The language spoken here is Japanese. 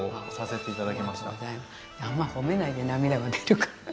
あんま褒めないで涙が出るから。